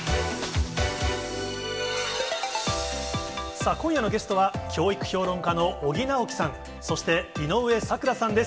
さあ、今夜のゲストは、教育評論家の尾木直樹さん、そして、井上咲楽さんです。